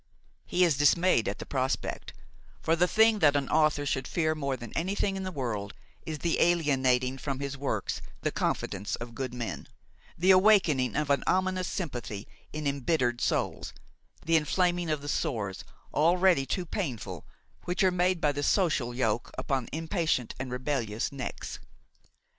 He is dismayed at the prospect; for the thing that an author should fear more than anything in the world is the alienating from his works the confidence of good men, the awakening of an ominous sympathy in embittered souls, the inflaming of the sores, already too painful, which are made by the social yoke upon impatient and rebellious necks.